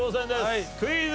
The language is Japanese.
クイズ。